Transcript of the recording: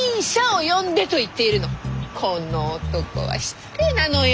この男は失礼なのよ。